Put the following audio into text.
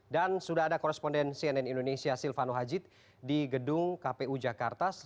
dan sudah ada koresponden cnn indonesia silvano haji di gedung kpu jakarta